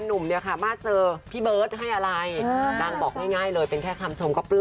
สุดยอดเลยค่ะวันหน้าไม่รู้